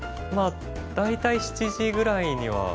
まあ大体７時ぐらいには。